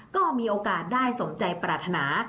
ก็มีโอกาสได้สมใจปรารถนา